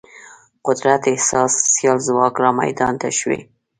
قدرت احساس سیال ځواک رامیدان ته شوی.